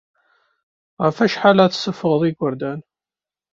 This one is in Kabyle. Ɣef wacḥal ay tessuffuɣeḍ igerdan?